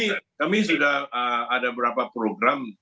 ini kami sudah ada beberapa program